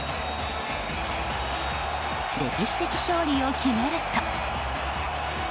歴史的勝利を決めると。